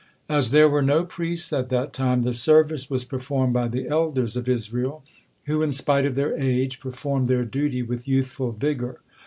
As there were no priests at that time, the service was performed by the elders of Israel, who in spite of their age performed their duty with youthful vigor.